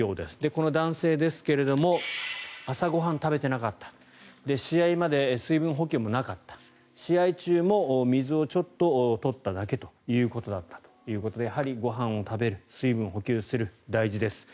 この男性ですけれど朝ご飯を食べていなかった試合まで水分補給もなかった試合中もちょっと水を取っただけということでやはりご飯を食べる水分を補給するのは大事です。